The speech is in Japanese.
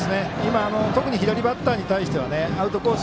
特に左バッターに対してはアウトコース